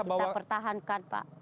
kita pertahankan pak